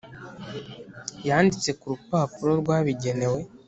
yanditse ku rupapuro rwabigenewe